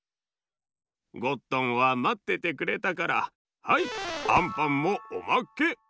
ゴットンはまっててくれたからはいあんパンもおまけ！